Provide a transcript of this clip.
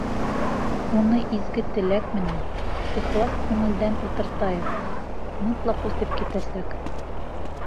Уны изге теләк менән, ихлас күңелдән ултыртайыҡ — мотлаҡ үҫеп китәсәк!